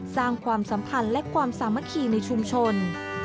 ความสัมพันธ์และความสามัคคีในชุมชน